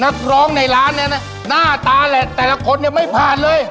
นักร้องในร้านเนี่ยนะหน้าตาแหละแต่ละคนเนี่ยไม่ผ่านเลย